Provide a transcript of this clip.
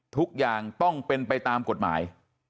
ทุกอย่างต้องเป็นไปตามกฎหมาย